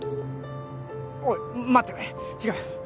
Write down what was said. おい待ってくれ違う